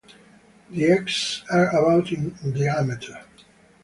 The eggs are about in diameter.